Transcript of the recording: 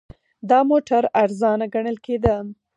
دا موټر ارزانه ګڼل کېده.